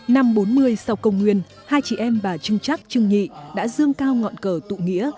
năm bốn mươi sau công nguyên hai chị em bà trưng trắc trưng nhị đã dương cao ngọn cờ tụ nghĩa